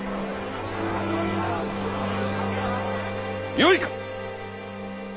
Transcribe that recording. よいか。